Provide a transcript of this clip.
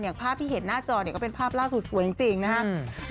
อย่างภาพที่เห็นหน้าจอก็เป็นภาพล่าสุดสวยจริงนะครับ